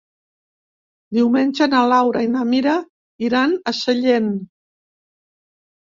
Diumenge na Laura i na Mira iran a Sellent.